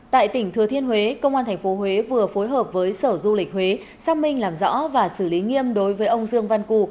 tại tỉnh thừa thiên huế công an tp huế vừa phối hợp với sở du lịch huế xác minh làm rõ và xử lý nghiêm đối với ông dương văn cù